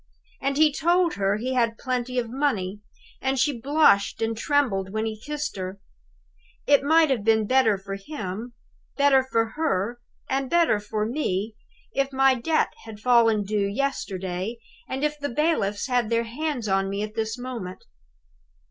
And he told her he had plenty of money! And she blushed and trembled when he kissed her. It might have been better for him, better for her, and better for me, if my debt had fallen due yesterday, and if the bailiffs had their hands on me at this moment.